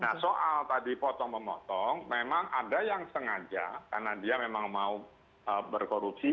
jadi kalau tadi potong memotong memang ada yang sengaja karena dia memang mau berkorupsi